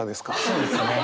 そうですね。